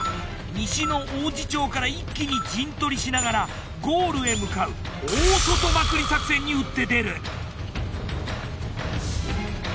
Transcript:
西の王寺町から一気に陣取りしながらゴールへ向かう大外まくり作戦に打って出る。